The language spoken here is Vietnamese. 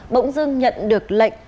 bỗng dưng nhận được lệnh